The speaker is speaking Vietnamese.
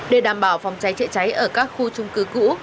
để đảm bảo phòng cháy chạy cháy ở các khu chung cư cũ